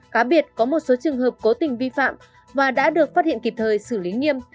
cá biệt có một số trường hợp cố tình vi phạm và đã được phát hiện kịp thời xử lý nghiêm